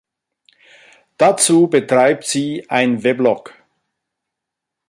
Dazu betreibt sie ein Weblog.